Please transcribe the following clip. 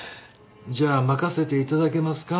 じゃあ任せていただけますか？